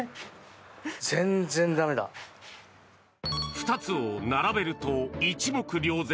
２つを並べると一目瞭然！